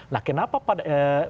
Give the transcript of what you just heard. nah kenapa pada